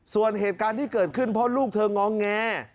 ส่วนเหตุการณ์ที่เกิดขึ้นเพราะลูกเธองอแง